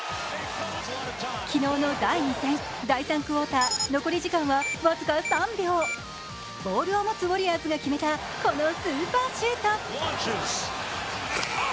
昨日の第２戦、第３クオーター残り時間は僅か３秒、ボールを持つウォリアーズが決めたこのスーパーシュート。